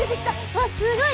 わっすごい！